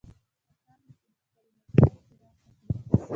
پکار ده چې د خپلې ناپوهي اعتراف وکړي.